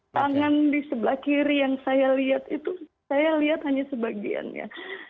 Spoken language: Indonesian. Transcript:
tangan di sebelah kiri yang saya lihat itu saya lihat hanya sebagian ya